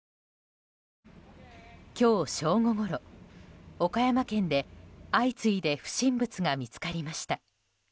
今日正午ごろ、岡山県で相次いで不審物が見つかりました。